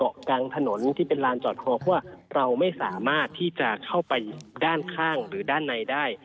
กลางถนนที่เป็นลานจอดคอเพราะว่าเราไม่สามารถที่จะเข้าไปด้านข้างหรือด้านในได้